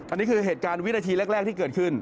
อันนี้คือเหตุการณ์วินาทีแรกที่เกิดขึ้น